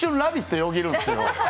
よぎるんですよ